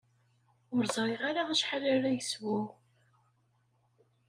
Ur ẓriɣ ara acḥal ara yeswu.